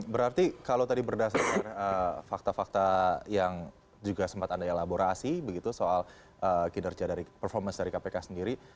berarti kalau tadi berdasarkan fakta fakta yang juga sempat anda elaborasi begitu soal kinerja dari performance dari kpk sendiri